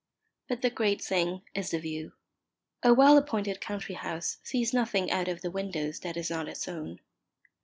But the great thing is the view. A well appointed country house sees nothing out of the windows that is not its own.